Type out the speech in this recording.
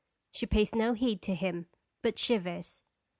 She pays no heed to him, but shivers.